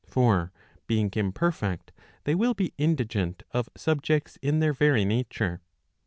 For being imperfect, they will be indigent of subjects in their very nature.